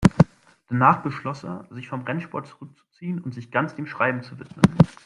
Danach beschloss er, sich vom Rennsport zurückzuziehen und sich ganz dem Schreiben zu widmen.